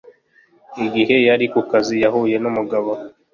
igihe yari ku kazi yahuye n umugabo